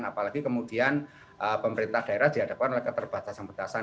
apalagi kemudian pemerintah daerah dihadapkan oleh keterbatasan batasan